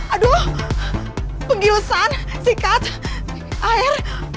aduh penggilsan sikat air